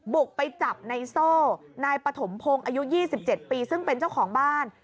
บุกไปจับในโซ่นายปฐมพงศ์อายุ๒๗ปีซึ่งเป็นเจ้าของบ้าน